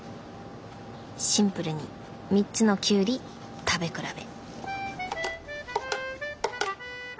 シンプルに３つのキュウリ食べ比べ。